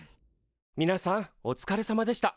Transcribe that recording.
みなさんおつかれさまでした。